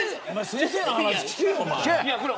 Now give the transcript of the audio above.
先生の話、聞けよ。